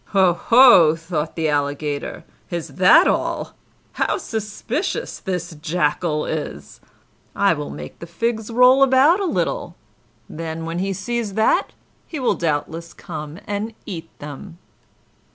"Ho, ho!" thought the Alligator, "is that all? How suspicious this Jackal is! I will make the figs roll about a little, then, and when he sees that, he will doubtless come and eat them."